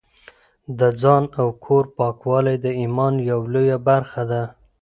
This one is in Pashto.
د ځان او کور پاکوالی د ایمان یوه لویه برخه ده.